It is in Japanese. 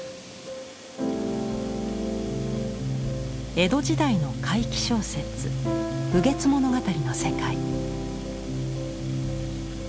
江戸時代の怪奇小説「雨月物語」の世界。